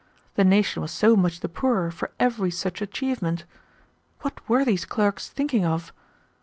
The nation was so much the poorer for every such achievement. What were these clerks thinking of?